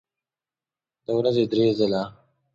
د ورځې درې ځله